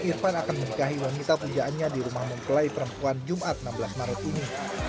irfan akan menikahi wanita pujaannya di rumah mempelai perempuan jumat enam belas maret ini